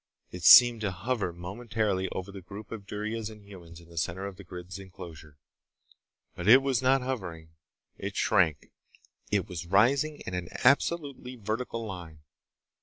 It seemed to hover momentarily over the group of duryas and humans in the center of the grid's enclosure. But it was not hovering. It shrank. It was rising in an absolutely vertical line.